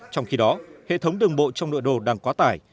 trong khi đó hệ thống đường bộ trong nội đô đang quá tải